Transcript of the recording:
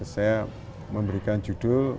saya memberikan judul